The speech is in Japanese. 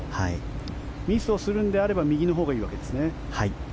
ミスをするのであれば右のほうがいいわけですね。